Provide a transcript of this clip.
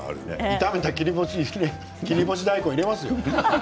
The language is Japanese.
炒めた切り干し大根入れますよ。